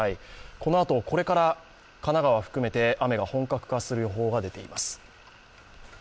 このあと、これから神奈川含めて雨が本格化する予報が出ています。